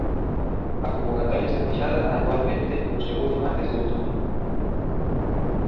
A convocatoria está fixada anualmente no segundo martes de outubro.